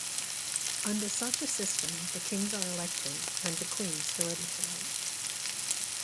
Under such a system, the kings are elective and the queens hereditary.